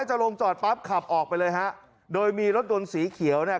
จะลงจอดปั๊บขับออกไปเลยฮะโดยมีรถยนต์สีเขียวเนี่ย